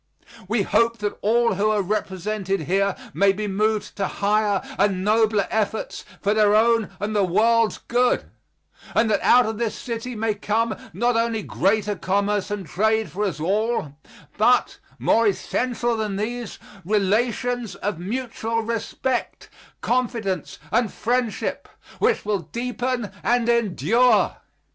We hope that all who are represented here may be moved to higher and nobler efforts for their own and the world's good, and that out of this city may come not only greater commerce and trade for us all, but, more essential than these, relations of mutual respect, confidence and friendship which will deepen and endure.